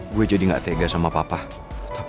gue jadi gak tega sama papa tapi